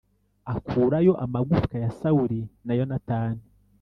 Akurayo amagufwa ya Sawuli na Yonatani